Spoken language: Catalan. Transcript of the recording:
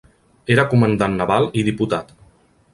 Era comandant naval i diputat.